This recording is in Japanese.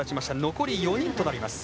残り４人となります。